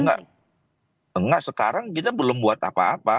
enggak sekarang kita belum buat apa apa